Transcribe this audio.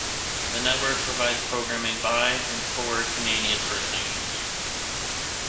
The network provides programming by and for Canadian First Nations.